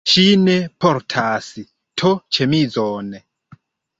Ŝi ne portas to-ĉemizon